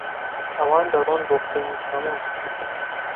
ئەوان دەڕۆن بۆ کرینی سەموون.